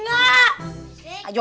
side boarding area indah